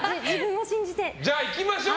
じゃあ、いきましょう！